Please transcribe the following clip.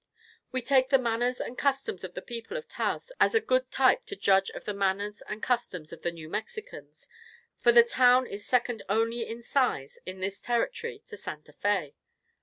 We take the manners and customs of the people of Taos as a good type to judge of the manners and customs of the New Mexicans, for the town is second only in size, in this Territory, to Santa Fé.